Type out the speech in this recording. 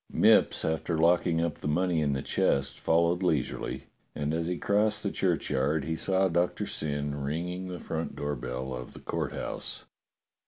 Mipps, after locking up the money in the chest, fol lowed leisurely, and as he crossed the churchyard he saw Doctor Syn ringing the front door bell of the Court House.